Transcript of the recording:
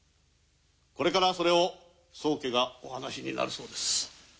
これからそれを宗家がお話になるそうです。